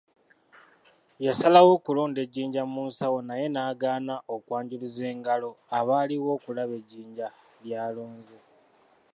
Yasalawo okulonda ejjinja mu nsawo naye n’agaana okwanjuluza engalo abaaliwo okulaba ejjinja ly’alonze.